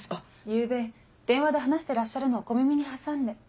昨夜電話で話してらっしゃるのを小耳に挟んで。